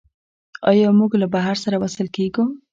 آیا موږ له بحر سره وصل کیږو؟